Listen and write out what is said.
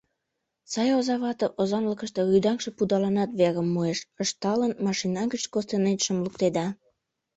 Сай озавате озанлыкыште рӱдаҥше пудаланат верым муэш, — ышталын, машина гыч костенечшым луктеда.